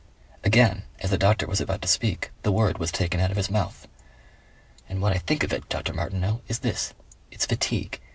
Again as the doctor was about to speak the word was taken out of his mouth. "And what I think of it, Dr. Martineau, is this: it's fatigue.